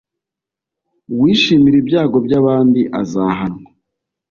uwishimira ibyago by’abandi azahanwa